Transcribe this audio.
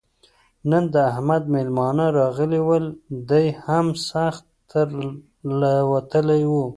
نن د احمد مېلمانه راغلي ول؛ دی هم سخت تر له وتلی وو.